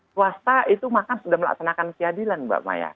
swasta itu bahkan sudah melaksanakan keadilan mbak maya